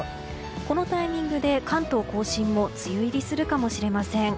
このタイミングで関東・甲信も梅雨入りするかもしれません。